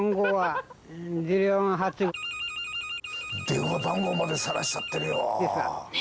電話番号までさらしちゃってるよ。ね！